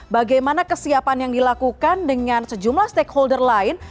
bagaimana kesiapan yang dilakukan dengan sejumlah stakeholder lain